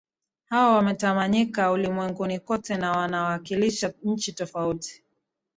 hawa wametawanyika ulimwenguni kote na wanawakilisha nchi tofauti